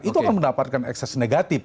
itu akan mendapatkan ekses negatif